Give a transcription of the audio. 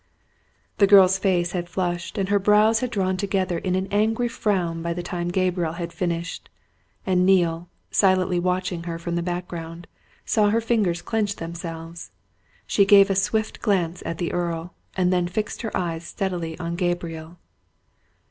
The girl's face had flushed, and her brows had drawn together in an angry frown by the time Gabriel had finished, and Neale, silently watching her from the background, saw her fingers clench themselves. She gave a swift glance at the Earl, and then fixed her eyes steadily on Gabriel.